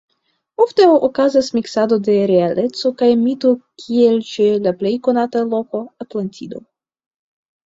Ofte okazas miksado de realeco kaj mito kiel ĉe la plej konata loko Atlantido.